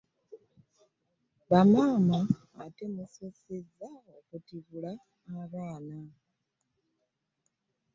Bamaama ate musussizza okutibula abaana.